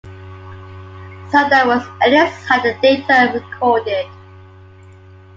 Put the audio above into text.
Seldom was any site data recorded.